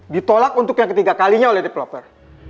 ditolak untuk yang ketiga kalinya oleh developer